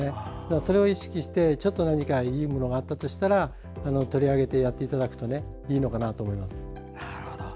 それを意識して何かいいものがあったとしたら取り上げてやっていただくといいのかなと思います。